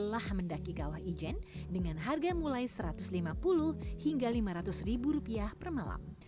lelah mendaki kawah ijen dengan harga mulai rp satu ratus lima puluh lima ratus per malam